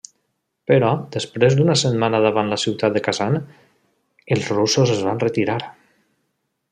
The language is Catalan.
Però després d'una setmana davant la ciutat de Kazan, els russos es van retirar.